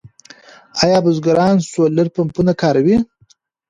آیا بزګران سولر پمپونه کاروي؟